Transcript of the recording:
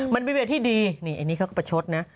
มันเป็นเวลาที่ดีนี่อันนี้เขาก็ประชดนะ